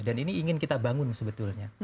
dan ini ingin kita bangun sebetulnya